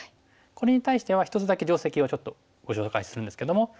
これに対しては１つだけ定石をちょっとご紹介するんですけども。